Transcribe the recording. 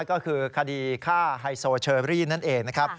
ก็คือคดีฆ่าไฮโซเชอรี่นั่นเองนะครับ